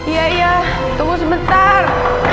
iya iya tunggu sebentar